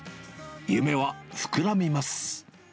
夢は膨らみます。